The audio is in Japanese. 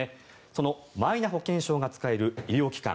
そのマイナ保険証が使える医療機関